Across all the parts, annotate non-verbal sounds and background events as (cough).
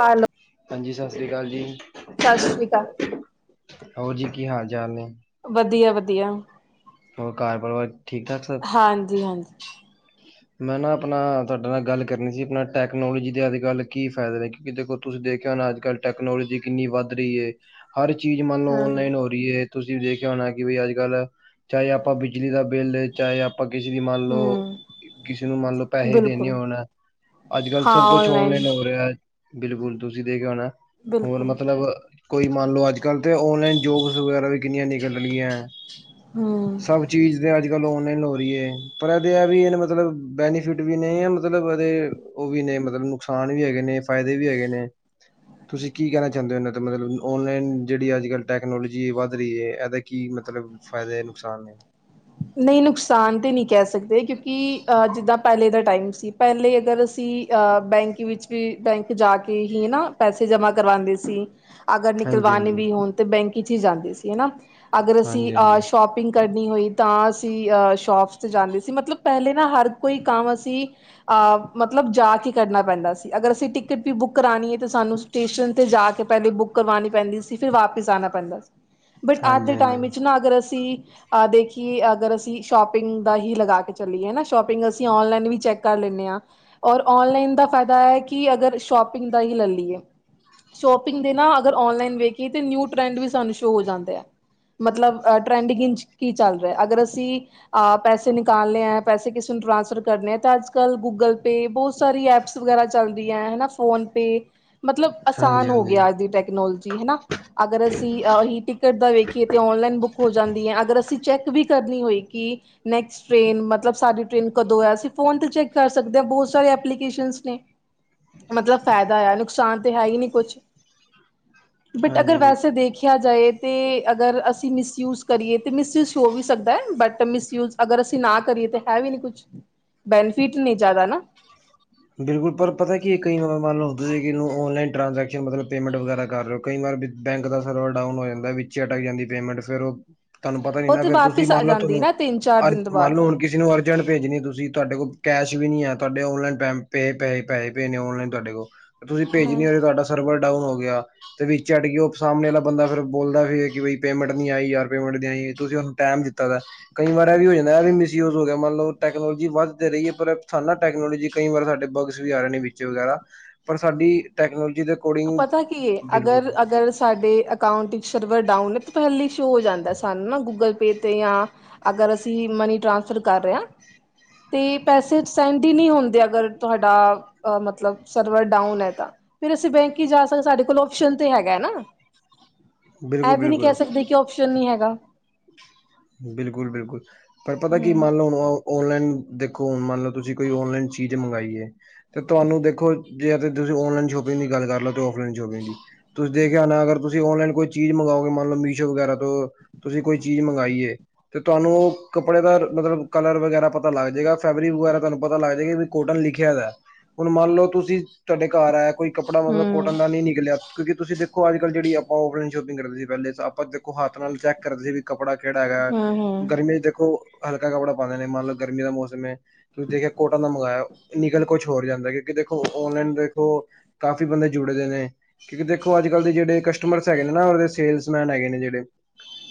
Hello, ਹਾਂਜੀ, ਸਤਿ ਸ੍ਰੀ ਅਕਾਲ ਜੀ। ਸਤਿ ਸ਼੍ਰੀ ਅਕਾਲ। ਹੋਰ ਜੀ, ਕੀ ਹਾਲ- ਚਾਲ ਨੇ? ਵਧੀਆ- ਵਧੀਆ। ਹੋਰ ਘਰ ਪਰਿਵਾਰ ਠੀਕ ਠਾਕ ਸਭ? ਹਾਂਜੀ। ਜੀ ਹਾਂਜੀ। ਮੈਂ ਨਾ ਆਪਣਾ ਤੁਹਾਡੇ ਨਾਲ ਗੱਲ ਕਰਨੀ ਸੀ ਆਪਣਾ ਟੈਕਨੋਲੋਜੀ ਦੇ ਅੱਜ- ਕੱਲ੍ਹ ਕੀ ਫਾਇਦੇ ਨੇ? ਕਿ ਦੇਖੋ ਤੁਸੀਂ ਦੇਖਿਆ ਹੋੁਣਾ ਅੱਜ- ਕੱਲ੍ਹ ਟੈਕਨੋਲੋਜੀ ਕਿੰਨੀ ਵਧ ਰਹੀ ਐ। ਹਰ ਚੀਜ਼ ਮੰਨ ਲਓ ਹਾਂ ਹਾਂ, ਓਨਲਾਈਨ ਹੋ ਰਹੀ ਹੈ ਤੁਸੀਂ ਦੇਖਿਆ ਹੋਣਾ ਕਿ ਬਈ ਅੱਜ - ਕੱਲ ਚਾਹੇ ਆਪਾਂ ਬਿਜਲੀ ਦਾ ਬਿੱਲ ਚਾਹੇ ਆਪਾਂ ਕਿਸੇ ਦੀ ਮੰਨ ਲਉ ਹੂੰ ਕਿਸੇ ਨੂੰ ਮੰਨ ਲਓ ਪੈਸੇ ਦੇਣੇ ਬਿਲਕੁਲ, ਹੋਣਾ ਅੱਜ- ਕੱਲ ਹਾਂ ਸਭ ਕੁਝ ਔਨਲਾਈਨ ਆੱਨਲਇਨ ਹੋਣ ਬਿਲਕੁਲ ਤੁਸੀਂ ਦੇਖਿਆ ਹੋਨਾ ਹੋਰ ਬਿਲਕੁਲ, ਮਤਲਬ ਕੋਈ ਮੰਨ ਲਓ ਅੱਜ- ਕੱਲ ਤਾਂ ਔਨਲਾਈਨ ਜੋਬਸ ਵਗੈਰਾ ਵੀ ਕਿੰਨੀਆਂ ਨਿਕਲਣੀਆਂ ਐ। ਹੂੰ। ਸਭ ਚੀਜ਼ ਤੇ ਅੱਜ- ਕੱਲ ਔਨਲਾਈਨ ਹੋ ਰਹੀ ਹੈ ਪਰ ਇਹਦੇ ਵੀ ਇਹਨ ਮਤਲਬ ਬੈਨੀਫਿਟ ਵੀ ਨੇ ਮਤਲਬ ਇਹਦੇ ਉਹ ਵੀ ਨੇ ਮਤਲਬ ਨੁਕਸਾਨ ਵੀ ਹੈਗੇ ਨੇ ਫ਼ਾਇਦੇ ਵੀ ਹੈਗੇ ਨੇ ਤੁਸੀਂ ਕੀ ਕਹਿਣਾ ਚਾਹੁੰਦੇ ਹੋ ਉਹਨਾਂ ਦਾ ਮਤਲਬ ਔਨਲਾਈਨ ਜਿਹੜੀ ਅੱਜ -ਕੱਲ੍ਹ ਟੈਕਨੋਲੋਜੀ ਵੱਧ ਰਹੀ ਹੈ ਇਹਦਾ ਕੀ ਮਤਲਬ ਫਾਇਦੇ ਨੁਕਸਾਨ ਨੇ? ਨਹੀਂ ਹਾਂਜੀ ਨੁਕਸਾਨ ਤਾਂ ਨਹੀਂ ਕਹਿ ਸਕਦੇ ਕਿਉਂਕਿ ਅਹ ਜਿੱਦਾਂ ਪਹਿਲੇ ਦਾ ਟਾਈਮ ਸੀ ਪਹਿਲੇ ਅਗਰ ਅਸੀਂ ਬੈਂਕ ਵਿੱਚ ਵੀ ਬੈਂਕ ਜਾ ਕੇ ਹੀ ਨਾ ਪੈਸੇ ਜਮ੍ਹਾਂ ਕਰਵਾਦੇ ਸੀ ਅਗਰ ਹਾਂਜੀ ਨਿਕਲਵਾਣੇ ਵੀ ਹੋਣ ਤੇ ਬੈਂਕ ਵਿਚ ਹੀ ਜਾਂਦੇ ਸੀ ਹਨਾ ਅਗਰ ਅਸੀਂ ਹਾਂਜੀ ਹਾਂਜੀ ਸ਼ੋਪਿੰਗ ਕਰਨੀ ਹੋਈ ਤਾਂ ਅਸੀਂ ਸ਼ੋਪਸ 'ਤੇ ਜਾਂਦੇ ਸੀ ਮਤਲਬ ਪਹਿਲੇ ਨਾ ਹਰ ਕੋਈ ਕੰਮ ਅਸੀਂ ਅਹ ਮਤਲਬ ਜਾ ਕੇ ਕਰਨਾ ਪੈਂਦਾ ਸੀ ਅਗਰ ਅਸੀਂ ਟਿਕਟ ਵੀ ਬੁੱਕ ਕਰਣੀ ਹਐ ਤਾਂ ਸਾਨੂੰ ਸਟੇਸ਼ਨ ਤੇ ਜਾ ਕੇ ਪਹਿਲੇ ਬੁੱਕ ਕਰਵਾਣੀ ਪੈਂਦੀ ਸੀ ਫਿਰ ਵਾਪਿਸ ਅੰਨਾ ਪੈਂਦਾ ਸੀ। ਬਟ ਅੱਜ ਦੇ ਟਾਈਮ ਵਿੱਚ ਨਾ ਅਗਰ ਅਸੀਂ ਅ ਦੇਖ ਕਿ ਅਗਰ ਅਸੀਂ ਸ਼ੋਪਿੰਗ ਦਾ ਹੀ ਲਗਾ ਕੇ ਚੱਲੀਏ ਨਾ ਸ਼ੋਪਿੰਗ ਅਸੀਂ ਨਲਾਈਨ ਵੀ ਚੈੱਕ ਕਰ ਲੈਂਦੇ ਹਾਂ। ਔਰ ਔਨਲਾਈਨ ਦਾ ਫਾਇਦਾ ਇਹ ਕਿ ਅਗਰ ਸ਼ੋਪਿੰਗ ਦਾ ਹੀ ਲੈ ਲਈਏ। ਸ਼ੋਪਿੰਗ ਦੇ ਨਾ ਅਗਰ ਔਲਾਇਨ ਵੇਖੀਆ ਨਾ ਨਿਊ ਤਰੇਂਡ ਵੀ ਸ਼ੋ ਹੋ ਜਾਂਦਾ ਐ। ਮਤਲਬ ਟ੍ਰੈਂਡਿੰਗ ਕੀ ਚੱਲ ਰਿਹਾ ਅਗਰ ਅਸੀਂ ਅ ਪੈਸੇ ਨਿਕਾਲੇ ਆ ਪੈਸੇ ਕਿਸੇ ਨੂੰ ਟ੍ਰਾਂਸਫਰ ਕਰਨੇ ਆ ਤਾਂ ਅੱਜ- ਕੱਲ ਗੂਗਲ ਪੇ ਬਹੁਤ ਸਾਰੀ ਐਪਸ ਵਗੈਰਾ ਚੱਲਦੀ ਹੈ ਹਨਾ ਫੋਨ ਪੇ ਮਤਲਬ ਆਸਾਨ ਹੋ ਗਿਆ ਅੱਜ ਦੀ ਟੈਕਨੋਲੋਜੀ ਹਨਾ ਅਗਰ ਅਸੀਂ ਈ ਟਿਕਟ ਦਾ ਵੇਖੀਏ ਤੇ ਓਨਲਾਈਨ ਬੁੱਕ ਹੋ ਜਾਂਦੀ ਹੈ ਅਗਰ ਅਸੀਂ ਚੈੱਕ ਵੀ ਕਰਨੀ ਹੋਈ ਕਿ ਨੈਕਸਟ ਟ੍ਰੇਨ ਮਤਲਬ ਸਾਡੀ ਟ੍ਰੇਨ ਕਦੋਂ ਹੈ ਅਸੀਂ ਫੋਨ ਤੇ ਚੈੱਕ ਕਰ ਸਕਦੇ ਹਾਂ ਬਹੁਤ ਸਾਰੇ ਐਪਲੀਕੇਸ਼ਨ ਨੇ ਮਤਲਬ ਫ਼ਾਇਦਾ ਆ ਨੁਕਸਾਨ ਤਾਂ ਹੈ ਹੀ ਨਹੀਂੀ ਕੁਛ ਬਟ ਹਾਂਜੀ ਅਗਰ ਜੀ। ਵੈਸੇ ਦੇਖਿਆ ਜਾਏ ਤਾਂ ਅਗਰ ਅਸੀਂ ਮਿਸਯੂਜ ਕਰੀਏ ਤਾਂ ਮਿਸਯੂਜ ਹੋ ਵੀ ਸਕਦਾ ਹੈ ਬਟ ਮਿਸਯੂਜ ਅਗਰ ਅਸੀਂ ਨਾ ਕਰੀਏ ਤੇ ਹੈ ਵੀ ਨੀ ਕੁਛ ਬੈਨੀਫਿਟ ਨਹੀਂ ਜ਼ਿਆਦਾ ਨਾ ਬਿਲਕੁਲ ਪਰ ਪਤਾ ਕੀ ਇਹ ਕਈ ਵਾਰ ਮਨ ਲਓ ਹੁੰਦੇ ਸੀ ਕਿਨੂੰ ਔਨਲਾਈਨ ਟ੍ਰਾਂਜੈਕਸ਼ਨ ਮਤਲਬ ਪੇਮੈਂਟ ਵਗੈਰਾ ਕਰ ਰਓ ਕਈ ਵਾਰ ਬੈਂਕ ਦਾ ਸਰਵਰ ਡਾਊਨ ਹੋ ਜਾਂਦਾ ਵਿੱਚੇ ਅਟਕ ਜਾਂਦੀ ਪੇਮੈਂਟ ਫਰ ਉਹ ਤੁਹਾਨੂੰ ਪਤਾ ਨੀ ਉਹ ਨਾ ਤੇ ਫੇਰ ਤੁਸੀਂ ਵਾਪਿਸ ਆ ਮੰਨ ਲਓ ਜਾਂਦੀ ਤੁਹਾਨੂੰ ਨਾ ਤਿੰਨ ਚਾਰ ਅਰਜ ਦਿਨ ਤੋਂ ਮੰਨ ਬਾਅਦ ਲਓ ਹੁਣ ਕਿਸੇ ਨੂੰ ਅਰਜ ਜਣ ਭੇਜਣੀ ਤੁਸੀਂ ਤੁਹਾਡੇ ਕੋਲ ਕੈਸ਼ ਵੀ ਨਹੀਂ ਤੁਹਾਡੇ ਔਨਲਾਈਨ ਪੈਮੈਂ ਪੈਸੇ ਪੈਸੇ ਭੇਜਣੇ ਆਨਲਾਈਨ ਤੁਹਾਡ ਕੋਲ ਤੁਸੀਂ ਭੇਜ ਹਿ ਹਾਂ ਨਿ ਤੁਹਾਡਾ ਸਰਵਰ ਡਾਊਨ ਹੋ ਗਿਆ ਤੇ ਵਿਚ ਅੜ ਗਈ ਕਿ ਉਹ ਸਾਹਮਣੇ ਵਾਲਾ ਬੰਦਾ ਫਿਰ ਬੋਲਦਾ ਸੀ ਕਿ ਬਈ ਪੇਮੈਂਟ ਨਹੀਂੀ ਆਈ ਯਾਰ ਪੇਮੈਂਟ ਆਈ ਤੁਸੀਂ ਟੈਮ ਦਿੱਤਾ ਦਾ ਕਈ ਵਾਰ ਇਹ ਵੀ ਹੋ ਜਾਂਦਾ ਵੀ ਮਿਸਯੂਜ ਹੋ ਗਿਆ ਮੰਨਲਬ ਟੈਕਨੋਲੋਜੀ ਵੱਧਦੇ ਰਹੀ ਹੈ ਪਰ ਸਾਨਾ ਟੈਕਨੋਲੋਜੀ ਕਈ ਵਾਰ ਸਾਡੇ ਬਗਸ ਵੀ ਆ ਰਹੇ ਨੇ ਵਿੱਚ ਵਗੈਰਾ ਪਰ ਸਾਡੀ ਟੈਕਨੋਲੋਜੀ ਦੇ ਅਕੋਰਡਿੰਗ ਪਤਾ ਕੀ ਹੈ ਬਿਲਕੁਲ ਅਗਰ ਅਗਰ ਸਾਡੇ ਅਕਾਊਂਟ ਵਿੱਚ ਸਰਵਰ ਡਾਊਨ ਹੈ ਤੇ ਪਹਿਲੇ ਸ਼ੂ ਹੋ ਜਾਂਦਾ ਸਾਨੂੰ ਨਾ ਗੂਗਲ ਪੇ ਤੇ ਜਾਂ ਅਗਰ ਅਸੀਂ ਮਨੀ ਟ੍ਰਾਂਸਫਰ ਕਰ ਰਹੇ ਹਾਂ ਤੇ ਪੈਸੇ ਸੈਂਡ ਹੀ ਨਹੀਂ ਹੁੰਦੇ ਅਗਰ ਤੁਹਾਡਾ ਅ ਮਤਲਬ ਸਰਵਰ ਡਾਊਨ ਹੈ ਤਾਂ ਫਿਰ ਅਸੀਂ ਬੈਂਕ ਹੀ ਜਾ ਸਾਡੇ ਕੋਲ ਓਪਸ਼ਨ ਤੇ ਹੈਗਾ ਹੈ ਨਾ ਬਿਲਕੁਲ ਇਹ ਵੀ ਨਹੀਂੀ ਬਿਲਕੁਲ ਕਹਿ ਸਕਦੇ ਕਿ ਓਪਸ਼ਨ ਨਹੀਂੀ ਹੈਗਾ ਬਿਲਕੁਲ ਬਿਲਕੁਲ ਪਰ ਪਤਾ ਕੀ ਮੰਨ ਲਓ ਹੁਣ ਔਨਲਾਈਨ ਦੇਖੋ ਹੁਣ ਮੰਨ ਲਓ ਤੁਸੀਂ ਕੋਈ ਨਲਾਈਨ ਚੀਜ਼ ਮੰਗਾਈਏ ਤੇ ਤੁਹਾਨੂੰ ਦੇਖੋ ਜੇ ਏਥੇ ਤੁਸੀਂ ਔਨਲਾਈਨ ਸ਼ੋਪਿੰਗ ਦੀ ਗੱਲ ਕਰ ਲਓ ਫਲਾਈਨ ਸ਼ੋਪਿੰਗ ਦੀ ਤੁਸੀਂ ਦੇਖਿਆ ਨਾ ਅਗਰ ਤੁਸੀਂ ਔਨਲਾਈਨ ਕੁਛ ਚੀਜ਼ ਮੰਗਓਗੇ ਮੰਨ ਲਓ ਮੀਸ਼ੋ ਵਗੈਰਾ ਤੋਂ ਤੁਸੀਂ ਕੋਈ ਚੀਜ਼ ਮੰਗਵਾਾਈਏ ਤੇ ਤੁਹਾਨੂੰ ਉਹ ਕੱਪੜੇ ਦਾ ਮਤਲਬ ਕਲਰ ਵਗੈਰਾ ਪਤਾ ਪਤਾ ਲੱਗ ਜਾਏਗਾ ਫੈਬਰਿਕ ਵਗੈਰਾ ਤੁਹਾਨੂੰ ਪਤਾ ਲੱਗ ਜਾਏਗਾ ਵੀ ਕੋਟਨ ਲਿਖਿਆ ਵੈ ਹੁਣ ਮੰਨ ਲਓ ਤੁਸੀਂ ਤੁਹਾਡੇ ਘਰ ਆਇ ਕੋਈ ਕੱਪਰਾ ਮਤਲਬ ਹੂੰ, ਕੋਟਨ ਦਾ ਨਿ ਨਿਕਲੀਆ ਕਿਉਂਕਿ ਤੁਸੀਂ ਦੇਖੋ ਅੱਜ ਕੱਲ ਜਿਹੜੀ ਆਪਾਂ ਔਫਲਾਈਨ ਸ਼ੋਪਿੰਗ ਕਰਦੇ ਸੀ ਅਨਲੈਸ ਆਪਾਂ ਤੇ ੋ ਹੱਥ ਨਾਲ ਚੈੱਕ ਕਰਦੇ ਸੀ ਵੀ ਕੱਪੜਾ ਕਿਹੜਾ ਹੈਗਾ ਹੂੰ, ਹੂੰ, ਗਰਮੀ ਚ ਦੇਖੋ ਹਲਕਾ ਕੱਪੜਾ ਪਾਉਂਦੇ ਨੇ ਮੰਨ ਲਓ ਗਰਮੀ ਦਾ ਮੌਸਮ ਹੈ ਤੁਸੀਂ ਦੇਖਿਆ ਕੋਟਨ ਦਾ ਮੰਗਵਾਇਆ ਨਿਕਲ ਕੁਛ ਹੋਰ ਜਾਂਦਾ ਕਿਉਂਕਿ ਦੇਖੋ ਔਨਲਾਈਨ ਦੇਖੋ ਕਾਫ਼ੀ ਬੰਦੇ ਜੁੜੇ ਦੇ ਨੇ ਕਿਉਂਕਿ ਦੇਖੋ ਅੱਜ ਕੱਲ੍ਹ ਦੇ ਜਿਹੜੇ ਕਸਟਮਰਸ ਹੈਗੇ ਨੇ ਨਾ ਉਹਦੇ ਸੇਲਸਮੈਨ ਹੈਗੇ ਨੇ ਜਿਹੜੇ।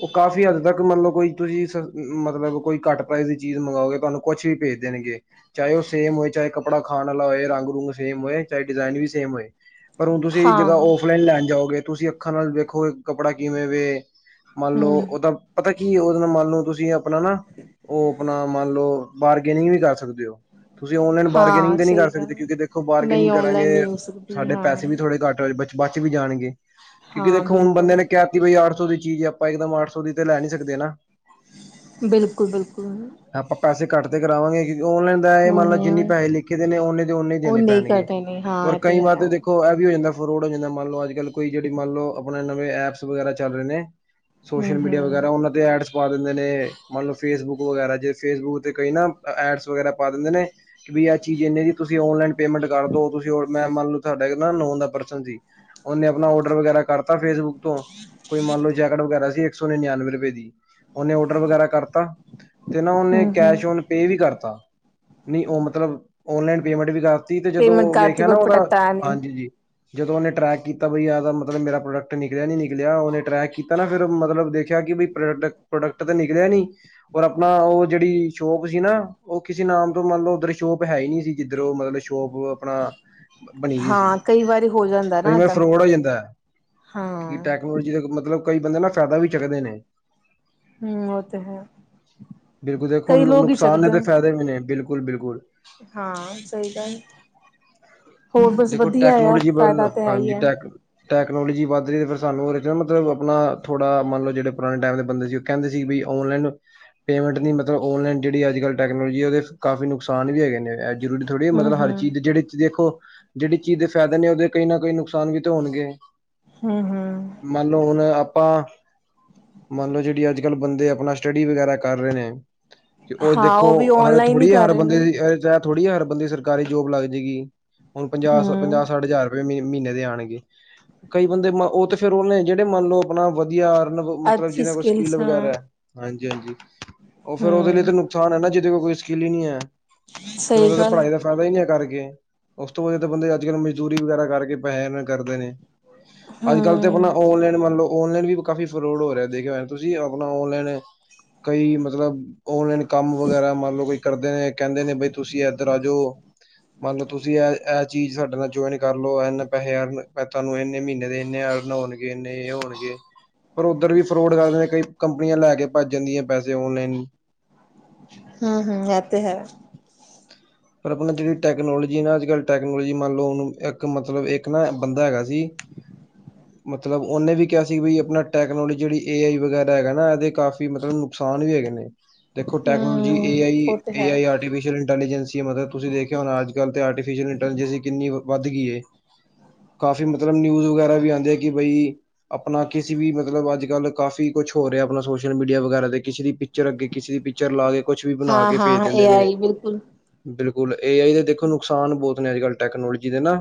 ਉਹ ਕਾਫ਼ੀ ਹੱਦ ਤੱਕ ਮੰਨਲਓ ਕੋਈ ਤੁਸੀਂ। ਮਤਲਬ ਕੋਈ ਘੱਟ ਪ੍ਰਾਈਜ਼ ਦੀ ਚੀਜ਼ ਮੰਗਵਾਓਗੇ ਤੁਹਾਨੂੰ ਕੁਛ ਵੀ ਭੇਜ ਦੇਣਗੇ। ਚਾਹੇ ਉਹ ਸੇਮ ਹੋਏ ਚਾਹੇ ਕੱਪੜਾ ਖਾਣ ਵਾਲਾ ਹੋਏ ਰੰਗ ਰੁੰਗ ਸੇਮ ਹੋਏ ਚਾਹੇ ਡਿਜ਼ਾਇਨ ਵੀ ਸੇਮ ਹੋਏ। ਪਰ ਹੁਣ ਤੁਸੀਂ ਹਾਂ, ਜਗ੍ਹਾ ਔਫਲੀਨੇ ਲੈਣ ਜਾਓਗੇ ਤੁਸੀਂ ਅੱਖਾਂ ਨਾਲ ਵੇਖੋ ਕੱਪੜਾ ਕਿਵੇਂ ਵੇ। ਮੰਨ ਲਓ ਹੂੰ, ਉਹਦਾ ਪਤਾ ਕੀ ਉਹਦੇ ਨਾਲ ਮੰਨ ਲਓ ਤੁਸੀਂ ਆਪਣਾ ਨਾ ਉਹ ਆਪਣਾ ਮੰਨ ਲਓ। ਬਾਰਗੇਨਿੰਗ ਵੀ ਕਰ ਸਕਦੇ ਹੋ। ਤੁਸੀਂ ਔਨਲਾਈਨ ਬਾਰਗੇਨਿੰਗ ਹਾਂ ਤੇ ਨੀ ਸਹੀ ਕਰ ਗੱਲ ਸਕਦੇ ਹੈ। ਕਿਉਂਕਿ ਦੇਖੋ ਨਹੀਂ ਬਾਰਗੇਨਿੰਗ ਔਨਲਾਈਨ ਕਰਾਂਗੇ ਨਹੀਂ ਹੋ ਸਕਦੀ ਸਾਡੇ ਹਾਂ, ਪੈਸੇ ਵੀ ਥੋੜੇ। ਘਟ ਹੋਏ ਬੱਚ ਵੀ ਜਾਣਗੇ ਕਿਉਂਕਿ ਹਾਂ ਦੇਖੋ ਹੁਣ ਬਿਲਕੁਲ, ਬੰਦੇ ਨੇ ਕਿਆ ਬਈ ਅੱਠ ਸੌ ਦੀ ਚੀਜ਼ ਹੈ ਆਪਾਂ ਇੱਕਦਮ ਅੱਠ ਸੌ ਦੀ ਤੇ ਲੈ ਨੀ ਸਕਦੇ ਨਾ। ਬਿਲਕੁੱਲ-ਬਿਲਕੁੱਲ। ਆਪਾਂ ਪੈਸੇ ਘੱਟ 'ਤੇ ਕਰਾਵਾਂਗੇ ਕਿਉਂਕਿ ਔਨਲਾਈਨ ਦਾ ਏ ਹੂੰ, ਮੰਨ ਲੋ ਜਿੰਨੀ ਹੂੰ ਪੈਹੇ ਲਿਖੇ ਦੇ ਨੇ ਉਨੇ ਦੇ ਉਨੇ ਈ ਉਹ ਦੇਣੇ ਨਹੀਂ ਪੈਣਗੇ, ਕਰਦੇ ਨੇ ਹਾਂ ਹੋਰ ਇਹ ਕਈ ਤੇ ਵਾਰ ਹੈ। ਤਾਂ ਦੇ ਖੋ ਐ ਵੀ ਹੋ ਜਾਂਦਾ ਫਰੋਡ ਹੋ ਜਾਂਦਾ ਮੰਨ ਲੋ ਅੱਜ-ਕੱਲ ਕੋਈ ਜਿਹੜੀ ਮੰਨ ਲੋ ਆਪਣੇ ਨਵੇਂ ਐਪਸ ਵਗੈਰਾ ਚੱਲ ਰੇ ਨੇ ਹੂੰ, ਸੋਸ਼ਲ ਮੀਡੀਆ ਹੂੰ, ਵਗੈਰਾ ਉਨਾ 'ਤੇ ਐਡਸ ਸਪਾ ਦਿੰਦੇ ਨੇ ਮੰਨ ਲੋ ਫੇਸਬੁੱਕ ਵਗੈਰਾ ਜੇ ਫੇਸਬੁੱਕ 'ਤੇ ਕਈ ਨਾ ਐਡਸ ਵਗੈਰਾ ਪਾ ਦਿੰਦੇ ਨੇ ਵੀ ਐ ਚੀਜ਼ ਏਨੇ ਦੀ ਤੁਸੀਂ ਓਨਲਾਈਨ ਪੇਮੈਂਟ ਕਰ ਦੋ ਤੁਸੀਂ ਹੋਰ ਮੈਂ ਮੰਨ ਲੋ ਤੁਹਾਡਾ ਇਕ ਨਾ ਨੋ ਦਾ ਪਰਸਨ ਸੀ ਉਨੇ ਆਪਣਾ ਔਡਰ ਵਗੈਰਾ ਕਰਤਾ ਫੇਸਬੁੱਕ ਤੋਂ ਕੋਈ ਮੰਨ ਲੋ ਜੈਕਟ ਵਗੈਰਾ ਸੀ ਸੌ ਨਿਆਨਵੇਂ ਰੁਪਏ ਦੀ ਉਨੇ ਔਡਰ ਵਗੈਰਾ ਕਰਤਾ 'ਤੇ ਨਾ ਉਨੇ ਹੂੰ, ਕੈਸ਼ ਓਨ ਹੂੰ ਪੇ ਵੀ ਕਰਤਾ ਨੀ ਓ ਮਤਲਬ ਓਨਲਾਈਨ ਪੇਮੈਂਟ ਵੀ ਕਰਤੀ 'ਤੇ ਜਦੋਂ ਪੇਮੈਂਟ ਕਰਤੀ ਵੇਖਿਆ ਪਰ ਨਾ ਉਦਾ, ਪ੍ਰੋਡਕਟ ਆਇਆ ਨਹੀਂ। ਹਾਂਜੀ ਜੀ। ਜਦੋਂ ਉਨੇ ਟਰੈਕ ਕੀਤਾ ਬਈ ਐ ਤਾਂ ਮਤਲਬ ਮੇਰਾ ਪ੍ਰੋਡਕਟ ਨਿਕਲਿਆ ਨੀ ਨਿਕਲਿਆ ਉਨੇ ਟਰੈਕ ਕੀ ਤਾ ਨਾ ਫਿਰ ਓ ਮਤਲਬ ਦੇਖਿਆ ਕਿ ਬਈ ਪ੍ਰੋਡਕ ਪ੍ਰੋਡਕਟ ਤਾਂ ਨਿਕਲਿਆ ਨੀ ਔਰ ਆਪਣਾ ਓ ਜਿਹੜੀ ਸ਼ੋਪ ਸੀ ਨਾ ਓ ਕਿਸੇ ਨਾਮ ਤੋਂ ਮਤਲਬ ਉਧਰ ਸ਼ੋਪ ਹੈ ਈ ਨੀ ਸੀ ਜਿੱਧਰ ਓ ਮਤਲਬ ਸ਼ੋਪ ਆਪਣਾ ਬਣੀ ਵੀ ਸੀ, ਹਾਂ ਕਈ ਵਾਰੀ ਹੋ ਜਾਂਦਾ ਕਈ ਨਾ ਵਾਰੀ ਏਦਾਂ ਫਰੋਡ ਹੋ ਜਾਂਦਾ, ਕਿ ਹਾਂ, ਟੈ ਕਨੋਲਜ਼ੀ ਦਾ ਮਤਲਬ ਕਈ ਬੰਦੇ ਨਾ ਫਾਇਦਾ ਵੀ ਚੱਕਦੇ ਨੇ। ਹੂੰ ਓ 'ਤੇ ਹੈ। ਬਿਲਕੁੱਲ ਦੇਖੋ ਕਈ ਲੋਕ ਹੀ ਨੁਕਸਾਨ ਨੇ ਚੱਕਦੇ 'ਤੇ ਫ਼ਾਇਦੇ ਵੀ ਨੇ ਬਿਲਕੁੱਲ-ਬਿਲਕੁੱਲ। ਹਾਂ ਸਈ ਗੱਲ, ਹੋਰ ਬਸ ਦੇਖੋ ਵਧੀਆ ਆ ਟੈਕਨੋਲੋਜੀ ਵੱਲ ਫਾਇਦਾ 'ਤੇ ਹੈ ਈ ਹਾਂਜੀ ਐ। ਟੈਕ ਟੈਕਨੋਲੋਜੀ ਵੱਧ ਰੀ 'ਤੇ ਫਿਰ ਸਾਨੂੰ ਉਦੇ 'ਚ ਨਾ ਮਤਲਬ ਆਪਣਾ ਥੋੜਾ ਮੰਨ ਲੋ ਜਿਹੜੇ ਪੁਰਾਣੇ ਟਾਈਮ ਦੇ ਬੰਦੇ ਸੀ ਕਹਿੰਦੇ ਸੀ ਬੀ ਔਨਲਾਈਨ ਪੇਮੈਂਟ ਨੀ ਮਤਲਬ ਔਨਲਾਈਨ ਜਿਹੜੀ ਅੱਜ-ਕਲ ਟੈਕਨੋਲਜ਼ੀ ਉਦੇ ਕਾਫੀ ਨੁਕਸਾਨ ਵੀ ਹੈਗੇ ਨੇ ਜ਼ਰੂਰੀ ਥੋੜੀ ਆ ਮਤਲਬ ਹਰ ਹੂੰ-ਹੂੰ, ਚੀਜ਼ ਜਿਹੜੀ 'ਚ ਦੇਖੋ ਜਿਹੜੀ ਚੀਜ਼ ਦੇ ਫਾਇਦੇ ਨੇ ਉਦੇ ਕਈ ਨਾ ਕਈ ਨੁਕਸਾਨ ਵੀ 'ਤੇ ਹੋਣਗੇ। ਹੂੰ-ਹੂੰ। ਮੰਨ ਲੋ ਹੁਣ ਆਪਾਂ ਮੰਨ ਲੋ ਜਿਹੜੀ ਅੱਜ-ਕਲ ਬੰਦੇ ਆਪਣਾ ਸਟੱਡੀ ਵਗੈਰਾ ਕਰ ਰੇ ਨੇ ਓ ਹਾਂ ਉਹ ਦੇਖੋ ਵੀ ਹਰ ਔਨਲਾਈਨ ਹੀ ਥੋੜੀ ਐ ਕਰ ਹਰ ਰਹੇ ਨੇ। ਬੰਦੇ ਦੀ ਅ ਜਾ ਐ ਥੋੜੀ ਐ ਹਰ ਬੰਦੇ ਦੀ ਸਰਕਾਰੀ ਜੋਬ ਲੱਗ ਜੇਗੀ। ਹੁਣ ਪੰਜਾਹ ਸ ਹੂੰ, ਪੰਜਾਹ-ਸੱਠ ਹਜ਼ਾਰ ਰੁਪਏ ਮੀ ਮ੍ਹੀਨੇ ਦੇ ਆਣਗੇ, ਕਈ ਬੰਦੇ ਮ ਓ 'ਤੇ ਫਿਰ ਉਨੇ ਜਿਹੜੇ ਮੰਨ ਲੋ ਆਪਣਾ ਵਧੀਆ ਅਰਨ ਮਤਲਬ ਅੱਛੀ ਜਿਨਾਂ ਕੋਲ ਸਕਿੱਲ ਸਕਿੱਲਸ ਹਾਂ, ਵਗੈਰਾ ਐ ਹਾਂਜੀ-ਹਾਂਜੀ, ਓ ਫਿਰ ਉਦੇ ਲੀ 'ਤੇ ਹੂੰ ਨੁਕਸਾਨ ਐ ਨਾ ਜਿਦੇ ਕੋਲ ਕੋਈ ਸਕਿੱਲ ਈ ਨੀ ਐ। ਫਿਰ ਸਹੀ ਉਦਾ ਤਾਂ ਗੱਲ। ਪੜਾਈ ਦਾ ਫਾਇਦਾ ਈ ਨੀ ਐ ਕਰਕੇ। ਉਸ ਤੋਂ ਵਧੀਆ ਤਾਂ ਬੰਦੇ ਅੱਜ-ਕੱਲ ਮਜ਼ਦੂਰੀ ਵਗੈਰਾ ਕਰਕੇ ਪੈਹੇ ਅਰਨ ਕਰਦੇ ਨੇ। ਅੱਜ-ਕੱਲ 'ਤੇ ਹੂੰ, ਆਪਣਾ ਔਨਲਾਈਨ ਮੰਨ ਲੋ ਔਨਲਾਈਨ ਵੀ ਕਾਫੀ ਫਰੋਡ ਹੋ ਰੇਆ ਦੇਖਿਆ ਤੁਸੀਂ ਆਪਣਾ ਔਨਲਾਈਨ ਕਈ ਮਤਲਬ ਓਨਲਾਈਨ ਕੰਮ ਵਗੈਰਾ ਮੰਨ ਲੋ ਕੋਈ ਕਰਦੇ ਨੇ ਕਹਿੰਦੇ ਨੇ ਬਈ ਤੁਸੀਂ ਐਧਰ ਆ ਜੋ ਮੰਨ ਲ ਤੁਸੀਂ ਐ, ਐ ਚੀਜ਼ ਸਾਡੇ ਨਾਲ ਜੁਆਇਨ ਕਰ ਲੋ ਐਨੇ ਪੈਹੇ ਅਰਨ ਤੁਹਾਨੂੰ ਇੰਨੇ ਮ੍ਹੀਨੇ ਦੇ ਇੰਨੇ ਅਰਨ ਹੋਣ ਗੇ ਨੇ ਹੋਣਗੇ। ਪਰ ਉੱਧਰ ਵੀ ਫਰੋਡ ਕਰਦੇ ਨੇ ਕਈ ਕੰਪਨੀਆਂ ਲੈ ਕੇ ਭੱਜ ਜਾਂਦੀਆਂ ਪੈਸੇ ਔਨਲਾਈਨ ਹੂੰ-ਹੂੰ ਐ 'ਤੇ ਹੈ। ਪਰ ਆਪਣਾ ਜੇੜੀ ਟੈਕਨੋਲੋਜੀ ਏ ਨਾ ਅੱਜ-ਕਲ ਟੈਕਨੋਲੋਜੀ ਮੰਨ ਲੋ ਹੁਣ ਇਕ ਮਤਲਬ ਇਕ ਨਾ ਬੰਦਾ ਹੈਗਾ ਸੀ (inaudible) ਮਤਲਬ ਉਨੇ ਵੀ ਕੇਆ ਸੀ ਵੀ ਆਪਣਾ ਟੈਕਨੋਲੋਜੀ ਜਿਹੜੀ ਏ ਆਈ ਵਗੈਰਾ ਹੈਗਾ ਨਾ ਏਦੇ ਕਾਫੀ ਮਤਲਬ ਨੁਕਸਾਨ ਵੀ ਹੈਗੇ ਨੇ। ਦੇਖੋ, ਟੈਕਨੋਲੋਜੀ, ਏ ਹੂੰ ਆਇ, ਉਹ ਤੇ ਏ ਹੈ। ਆਈ ਆਰਟੀਫਿਸ਼ਅਲ ਇੰਟੈਲੀਜੈਂਸੀ! ਮਤਲਬ, ਤੁਸੀਂ ਦੇਖਿਆ ਹੋਣਾ, ਅੱਜ-ਕੱਲ ਤੇ ਆਰਟੀਫਿਸ਼ਲ ਇੰਟੈਲੀਜੈਂਸ ਕਿਨੀ ਵੱਧ ਗੀ ਏ! ਕਾਫ਼ੀ, ਮਤਲਬ, ਨਿਊਜ਼ ਵਗੈਰਾ ਵੀ ਆਂਦੇ ਕਿ ਬਈ ਆਪਣਾ ਕਿਸੀ ਵੀ ਮਤਲਬ ਅੱਜ ਕੱਲ ਕਾਫੀ ਕੁਛ ਹੋ ਰਿਆ ਆਪਣਾ ਸੋਸ਼ਲ ਮੀਡੀਆ ਵਗੈਰਾ ਤੇ ਕਿਸੀ ਦੀ ਪਿਕ ਪਿਚਰ ਅੱਗੇ ਕਿਸੇ ਦੀ ਪਿਚਰ ਲਾ ਕੇ ਕੁਛ ਵੀ ਬਣਾ ਕੇ ਪੇਜ ਹਾਂ-ਹਾਂ ਏ ਦੇਂਦੇ ਨੇ। ਆਈ ਬਿਲਕੁਲ। ਬਿਲਕੁਲ ਏ ਆਈ ਦੇ ਦੇਖੋ ਨੁਕਸਾਨ ਬਹੁਤ ਨੇ, ਅੱਜ-ਕੱਲ ਟੈਕਨੋਲੋਜੀ ਦੇ ਨਾ,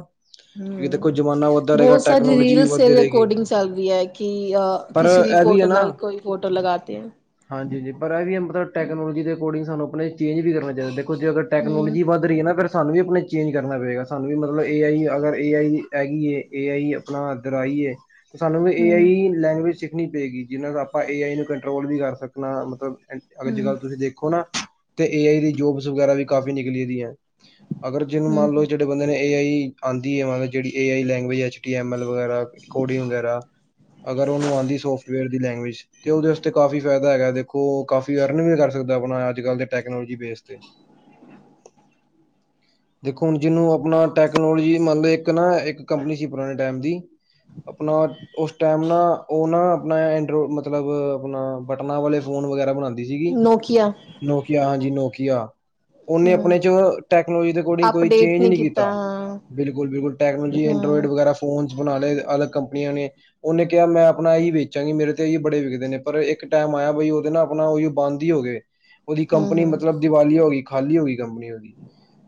ਕਿਉਂਕਿ ਦੇਖੋ ਹੂੰ। ਜਮਾ ਬਹੁਤ ਸਾਰੀ ਰੀਲਸ ਏਦੇ ਏਕੋਡਿੰਗ ਚੱਲਦੀ ਹੈ, ਕਿ ਅ ਪਰ ਕਿਸੀ ਦੀ ਇਹ ਵੀ ਹੈ ਫੋਟੋ ਨਾ ਨਾਲ ਕੋਈ ਫੋਟੋ ਲਗਾਤੀਆ। ਹਾਂਜੀ-ਹਾਂਜੀ ਪਰ ਏ ਵੀ ਮਤਲਬ ਟੈਕਨੋਲੋਜੀ ਦੇ ਅਕੋ੍ਡਿਂਗ ਸਾਨੂੰ ਆਪਣੇ ਚੇਂਜ ਵੀ ਕਰਨੇ ਚਾਹੀਦੇ, ਦੇਖੋ ਜ ਅਗਰ ਹੂੰ-ਹੂੰ, ਟੈਕਨੋਲੋਜੀ ਵੱਧ ਰੀਏ ਨਾ, ਫੇਰ ਸਾਨੂੰ ਵੀ ਆਪਣੇ ਚੇਂਜ ਕਰਨਾ ਪਏਗਾ, ਸਾਨੂੰ ਵੀ ਮਤਲਬ ਏ ਆਈ ਅਗਰ ਏ ਆਈ ਹੈਗੀ ਏ। ਏ ਆਈ ਆਪਣਾ ਏਧਰ ਆਈਏ, ਤੇ ਸਾਨੂੰ ਵੀ ਏ ਹੂੰ। ਆਈ ਲੈਂਗੁਏਜ ਸਿੱਖਣੀ ਪਏਗੀ, ਜਿਨ੍ਹਾਂ ਦਾ ਆਪਾਂ ਏ ਆਈ ਨੂੰ ਕੰਟਰੋਲ ਵੀ ਕਰ ਸਕਣਾ, ਮਤਲਬ ਅੱਜ-ਕੱਲ੍ਹ ਤੁਸੀਂ ਹੂੰ ਦੇਖੋ ਨਾ, ਤੇ ਏ ਆਈ ਦੀ ਜੋਬਸ ਵਗੈਰਾ ਵੀ ਕਾਫੀ ਨਿਕਲੀ ਦੀ ਏ, ਅਗਰ ਜਿਨੁ ਮੰਨ ਲਓ, ਹੂੰ ਜਿੜੇ ਬੰਦੇ ਨੇ ਏ ਆਈ ਆਂਦੀ ਏ, ਮਨ ਲਓ ਜੇੜੀ ਏ ਆਈ, language, H T M L ਵਗੈਰਾ, ਕੋਡਿੰਗ ਵਗੈਰਾ। ਅਗਰ ਉਨੂ ਆਂਦੀ ਸੋਫਟਵੇਅਰ ਦੀ ਲੈਂਗੁਏਜ- ਤੇ ਉਦੇ ਅਸਤੇ ਕਾਫੀ ਫੇਦਾ ਹੈਗੇ, ਦੇਖੋ, ਕਾਫੀ ਅਰਨ ਵੀ ਕਰ ਸਕਦੇ ਆਪਣਾ ਅੱਜ-ਕੱਲ ਦੇ ਟੈਕਨੋਲੋਜੀ ਬੇਸ ਤੇ। ਦੇਖੋ, ਹੁਣ ਜਿਨੂੰ ਆਪਣਾ ਟੈਕਨੋਲੋਜੀ, ਮਨਲੇ ਏਕ ਨਾ ਏਕ ਕੰਪਨੀ ਸੀ ਪੁਰਾਣੇ ਟੇਮ ਦੀ। ਆਪਣਾ ਉਸ ਟੇਮ ਨਾ ਉ ਨਾ ਆਪਣਾ ਐਂਡਰੋ ਮਤਲਬ ਆਪਣਾ ਬਟਨਾਂ ਵਾਲੇ ਫ਼ੋਨ ਵਗੈਰਾ ਬਣਾਂਦੀ ਸੀਗੀ। ਨੋਕਿਆ। ਨੋਕਿਆ! ਹਾਂਜੀ, ਨੋਕਿਆ। ਉਨੇ ਹੂੰ, ਆਪਣੇ ਚ ਟੈਕਨੋਲੋਜੀ ਦੇ ਅਕੋਰਡਿੰਗ ਕੋਈ ਅਪਡੇਟ ਚੇਂਜ ਨਹੀਂ ਨੀ ਕੀਤਾ। ਹਾਂ, ਬਿਲਕੁਲ-ਬਿਲਕੁਲ, ਟੈਕਨੋਲੋਜੀ, ਐਂਡਰੋਇਡ ਹੂੰ। ਵਗੈਰਾ ਫੋਨ ਬਣਾ ਲਏ ਅਲਗ ਕੰਪਨੀਆਂ ਨੇ। ਉਨੇ ਕਿਆ, ਮੈਂ ਅਪਣਾ ਇਹੀ ਵੇਚਾਂਗੀ, ਮੇਰੇ ਤੇ ਇਹੀ ਬੜੇ ਵਿਕਦੇ ਨੇ। ਪਰ ਇੱਕ ਟੇਮ ਆਇਆ ਬਈ ਉਦੇ ਨਾ ਆਪਣਾ ਉਹੀ ਬੰਦ ਦ ਹੋ ਗੇ, ਉਦੀ ਕੰਪਨੀ ਮਤਲਬ ਹੂੰ-ਹੂੰ-ਹੂੰ, ਦੀਵਾਲੀਯਾ ਹੋ ਗੀ, ਖਾਲੀ ਹੋ ਗੀ ਕੰਪਨੀ ਉਦੀ।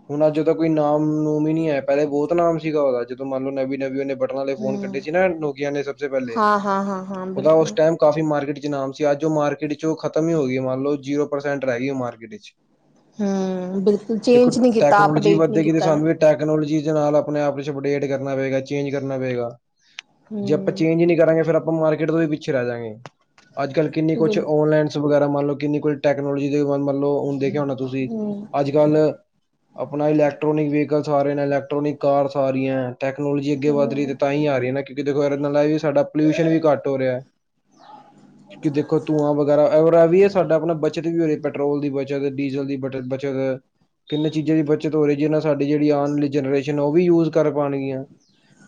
ਹੁਣ ਅੱਜ ਤਾਂ ਕੋਈ ਨਾਮ ਨੂ ਹਮ ਨੀ ਏ ਪੇਲੇ ਬੋਤ ਨਾਮ ਸੀਗਾ ਉਦਾ ਜਦੋਂ ਮੰਨ ਲਓ ਨਵੀ ਨਵੀ ਉਹਨ ਵਾਲੇ ਫੋਨ ਕੱਢੇ ਸੀ ਨਾ ਨੋਕੀਆਂ ਨੇ ਸਭ ਸੇ ਪੇਲੇ, ਹਾਂ-ਹਾਂ-ਹਾਂ-ਹਾਂ, ਉਦਾ ਉਸ ਬਿਲਕੁਲ। ਟੇਮ ਕਾਫੀ ਮਾਰਕੀਟ ਚ ਨਾਮ ਸੀ, ਅੱਜ ਉ ਮਾਰਕੀਟ ਚੋ ਖਤਮ ਇ ਹੋਗੀ, ਮੰਨ ਲਓ ਜੀਰੋ ਪਰਸੈਂਟ ਰਹਿ ਗੀ ਮਾਰਕੀਟ ਚ। ਹਮ, ਬਿਲਕੁਲ, ਦੇਖੋ ਚੇਂਜ ਨੀ ਕੀਤਾ, ਟੈਕਨੋਲੋਜੀ ਅਪਡੇਟ ਨੀ ਵਧੇਗੀ ਤੇ ਕੀਤਾ ਨਾ। ਸਾਨੂੰ ਵੀ ਟੈਕਨੋਲੋਜੀ ਦੇ ਨਾਲ ਆਪਣੇ ਆਪ ਵਿੱਚ ਅਪਡੇਟ ਕਰਨਾ ਪਏਗਾ, ਚੇਂਜ ਕਰਨਾ ਪਏਗਾ ਜੇ ਅਪ ਹੂੰ। ਚੇਂਜ ਈ ਨੀ ਕਰਾਂਗੇ, ਫੇਰ ਅਪਾਂ ਮਾਰਕੀਟ ਤੋਂ ਵੀ ਪਿੱਛੇ ਰਹਿ ਜਾਂਗੇ, ਅੱਜ-ਕੱਲ ਕਿੰਨੀ ਕੁਛ ਬਿਲ ਔਨਲਾਈਨ ਚ ਵਗੈਰਾ, ਮੰਨ ਲਓ ਕਿੰਨੀ ਕੁ ਟੈਕਨੋਲੋਜੀ ਦੇ ਮੰਨ ਲਓ ਹੁੰਦੇ ਦੇਖਿਆ ਹੋਣਾ ਤੁਸੀਂ ਹੂੰ-ਹੂੰ, ਅੱਜ-ਕੱਲ ਆਪਣਾ ਇਲੈਕਟ੍ਰੋਨਿਕ ਵਹੀਕਲਸ ਆਰਏ ਨੇ, ਇਲੈਕਟ੍ਰੋਨਿਕ ਕਾਰਸ ਆ ਰਈਆ, ਟੈਕਨੋਲੋਜੀ ਅੱਗੇ ਵੱਧ ਹੂੰ, ਰਈ ਤਾਂ ਇ ਆ ਰੀਏ ਨਾ, ਕਿਉਂਕਿ ਦੇਖੋ, ਏਦੇ ਨਾਲ ਏਇ ਸਾਡਾ ਪੋਲਿਊਸ਼ਨ ਵੀ ਘੱਟ ਹੋ ਰਿਆ। ਕਿ ਦੇਖੋ, ਧੂੰਆਂ ਵਗੈਰਾ, ਔਰ ਏ ਵੀ ਏ ਸਾਡਾ ਅਪਣਾ ਬੱਚਤ ਵੀ ਹੋ ਰਿਏ ਪੈਟਰੋਲ ਦੀ ਬੱਚਤ। ਡੀਜ਼ਲ ਦੀ ਬਟਤ ਬਚਤ ਐ। ਕਿੰਨੇ ਚੀਜੇ ਦੀ ਬੱਚਤ ਹੋ ਰੀ ਏ, ਜਿਨੇ ਨਾਲ ਸਾਡੀ ਜਿਹੜੀ ਆਉਣ ਵਾਲੀ ਜਨਰੇਸ਼ਨ ਹੈ, ਉਹ ਵੀ ਯੂਜ਼ ਕਰ ਪਾਉਣਗੀਆਂ।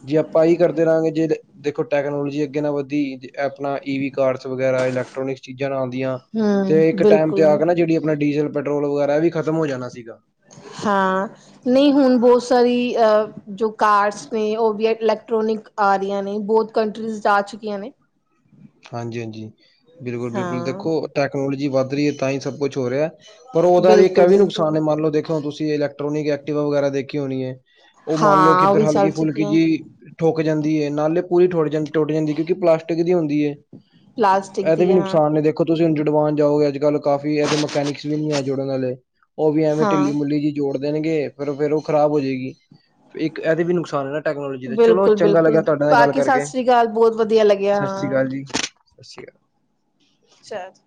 ਜੇ ਅਪਾਂ ਏਇ ਕਰਦੇ ਰਾਂਗੇ ਜੇ ਦੇਖੋ, ਟੈਕਨੋਲੋਜੀ ਅੱਗੇ ਨਾ ਵੱਧੀ ਐ--ਅਪਣਾ ਈ ਈ ਕਾਰਡਸ ਵਗੈਰਾ, ਇਲੈਕਟ੍ਰੋਨਿਕਸ ਚੀਜ਼ਾਂ ਨਾ ਆਂਦੀਆਂ! ਹੂੰ, ਤੇ ਏਕ ਟੇਮ ਬਿਲਕੁਲ। ਤੇ ਆ ਕੇ ਨਾ, ਜਿੜੀ ਆਪਣਾ ਡੀਜ਼ਲ-ਪੈਟਰੋਲ ਵਗੈਰਾ ਐ ਵੀ ਖਤਮ ਹੋ ਜਾਣਾ ਸੀਗਾ! ਹਾਂ ਨਈ ਹੁਣ ਬੋਤ ਸਾਰੀ ਆ ਜੋ ਕਾਰਸ ਨੇ ਉ ਵੀ ਇਲੈਕਟ੍ਰੋਨਿਕ ਆ ਰਿਆਂ ਨੇ ਬੋਤ ਕੰਟਰੀਜ਼ 'ਚ ਆ ਚੁੱਕੀਆਂ ਨੇ। ਹਾਂਜੀ-ਹਾਂਜੀ। ਬਿਲਕੁਲ-ਬਿਲਕੁਲ ਹਾਂ, ਦੇਖੋ ਟੈਕਨੋਲੋਜੀ ਵੱਧ ਰਹੀ ਹੈ। ਤਾਂ ਹੀ ਸਭ ਕੁਛ ਹੋ ਰਿਹਾ ਹੈ। ਪਰ ਉਹਦਾ ਵੀ ਇੱਕ ਐ ਵੀ ਨੁਕਸਾਨ ਐ, ਬਿਲਕੁਲ-ਬਿਲਕੁਲ। ਮੰਨ ਲਓ ਦੇਖੋੁ ਤੁਸੀਂ ਇਲੈਕਟ੍ਰੋਨਿਕ ਐਕਟਿਵਾ ਵਗੈਰਾ ਦੇਖੀ ਹੋਣੀ ਏ। ਉਹ ਮਾਨਲੋ, ਹਾਂ, ਉਹ ਕਿੱਧਰ ਵੀ ਚੱਲ ਹਲਕੀ- ਫੁਲਕੀ ਚੁੱਕੀਆਂ, ਜੀ ਠੁਕ ਜਾਂਦੀ ਏ। ਨਾਲੇ ਪੂਰੀ ਠੁੱਟ ਜਾਂ ਟੁੱਟ ਜਾਂਦੀ ਏ, ਕਿਉਂਕਿ ਪਲਾਸਟਿਕ ਦੀ ਹੁੰਦੀ ਏ। ਪਲਾਸਟਿਕ ਇਹਦੇ ਵੀ ਦੀਆਂ ਹਾਂ। ਨੁਕਸਾਨ ਨੇ ਦੇਖ ਦੇਖੋ ਤੁਸੀਂ ਜੁੜਵਾਨ ਜਾਓਗੇ, ਅੱਜ- ਕੱਲ੍ਹ ਕਾਫੀ ਇਹਦੇ ਮਕੈਨਿਕਸ ਵੀ ਨਹੀਂ ਹੈ ਜੁੜਨ ਵਾਲੇ। ਉਹ ਵੀ ਐਵੇਂ ਹਾਂ, ਢਿੱਲੀ- ਮੁਲੀ ਜਿਹੀ ਜੋੜ ਦੇਣਗੇ, ਫੇਰ- ਫੇਰ ਉਹ ਖ਼ਰਾਬ ਹੋ ਜੇਏਗੀ। ਇੱਕ, ਏਦੇ ਵੀ ਨੁਕਸਾਨ ਹੈ ਨਾ, ਟੈਕਨੋਲੋਜੀ ਦੇ। ਚਲੋ ਚੰਗਾ ਲੱਗਿਆ ਤੁਹਾਡੇ ਨਾਲ ਗੱਲ ਕਰਕੇ। ਗੱਲ ਬਹੁਤ ਵਧੀਆ ਲੱ ਸਤਿ ਸ਼੍ਰੀ ਅਕਾਲ ਜੀ, ਸਤਿ ਸ਼੍ਰੀ ਅਕਾਲ। ਅੱਛਾ। (unintelligible)